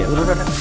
udah udah udah